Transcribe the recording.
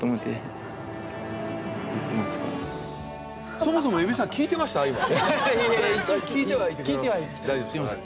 そもそも蛭子さん聞いてました？